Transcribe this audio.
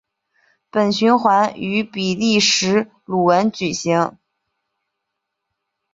本循环于比利时鲁汶举行。